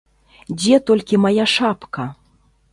Дзе толькі мая шапка?